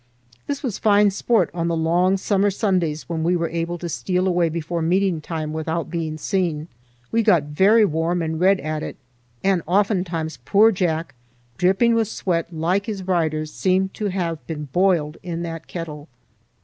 This was fine sport on the long summer Sundays when we were able to steal away before meeting time without being seen. We got very warm and red at it, and oftentimes poor Jack, dripping with sweat like his riders, seemed to have been boiled in that kettle.